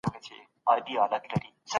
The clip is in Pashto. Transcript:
بل غوښتلې ځان وژنه يوه اخلاقي دنده وي.